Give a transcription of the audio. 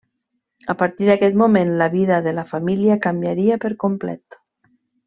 A partir d'aquest moment la vida de la família canviaria per complet.